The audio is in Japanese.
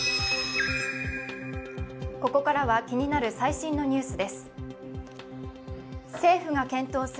ここからは気になる最新のニュースです。